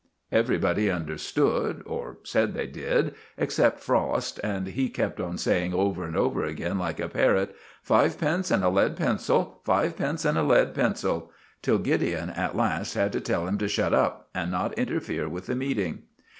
Everybody understood, or said they did, except Frost, and he kept on saying over and over again, like a parrot, "Fivepence and a lead pencil, five pence and a lead pencil," till Gideon at last had to tell him to shut up and not interfere with the meeting.